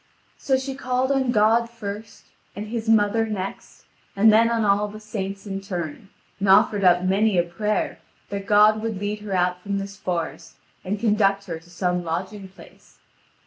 So she called on God first, and His mother next, and then on all the saints in turn, and offered up many a prayer that God would lead her out from this forest and conduct her to some lodging place.